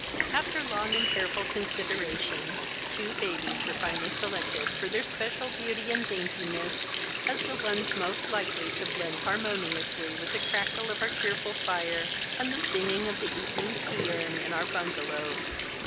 After long and careful consideration, two babies were finally selected for their special beauty and daintiness, as the ones most likely to blend harmoniously with the crackle of our cheerful fire, and the singing of the evening tea urn in our bungalow.